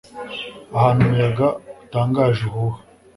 Abantu umuyaga utangaje uhuha